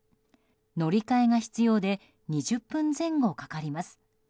乗り換えが必要で２０分前後かかります。